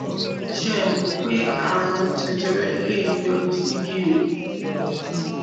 Ṣé ẹ mọ̀ pé ààrùn jẹjẹrẹ léè yọrí sí gìrì?